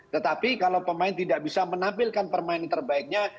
tetapi kalau pemain tidak bisa menampilkan permain terbaiknya